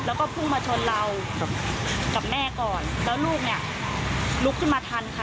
แล้วก็พุ่งมาชนเรากับแม่ก่อนแล้วลูกเนี่ยลุกขึ้นมาทันค่ะ